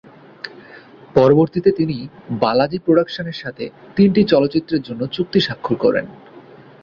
পরবর্তীতে তিনি বালাজি প্রোডাকশনের সাথে তিনটি চলচ্চিত্রের জন্য চুক্তি স্বাক্ষর করেন।